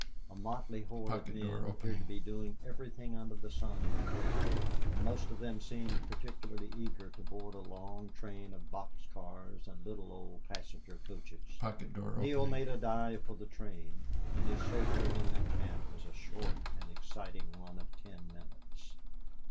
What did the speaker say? A motley horde of men appeared to be doing everything under the sun but work, and most of them seemed particularly eager to board a long train of box cars and little old passenger coaches. Neale made a dive for the train, and his sojourn in that camp was a short and exciting one of ten minutes.